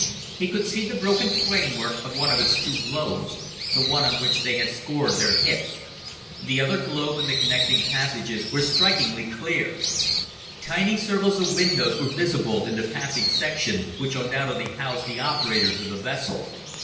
He could see the broken framework of one of its two globes the one on which they had scored their hit. The other globe and the connecting passages were strikingly clear. Tiny circles of windows were visible in the passage section, which undoubtedly housed the operators of the vessel.